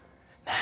何？